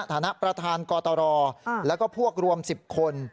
ฐานะประธานกตรแล้วก็พวกรวม๑๐คน